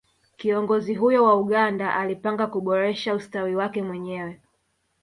kiongozi huyo wa Uganda alipanga kuboresha ustawi wake mwenyewe